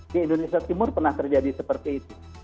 di indonesia timur pernah terjadi seperti itu